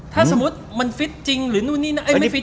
ถ้าสมมุติมันฟิตจริงหรือนู่นนี่นะ